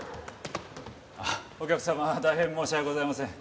お客様大変申し訳ございません。